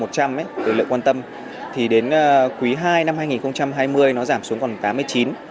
một trăm linh từ lượng quan tâm thì đến quý hai năm hai nghìn hai mươi nó giảm xuống còn tám mươi chín